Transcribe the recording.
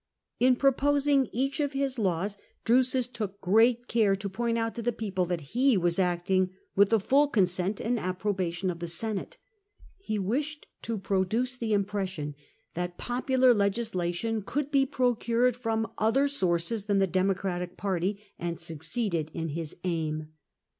In proposing each of his laws, Drusus took great care to point out to the people that he was acting with the full consent and approbation of the Senate. He wished to produce the impression that popular legislation could be procured from other sources than the Democratic party, and succeeded in his aim.